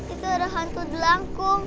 itu ada hantu jelangkung